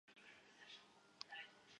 杨光斌明确反对所谓历史终结论。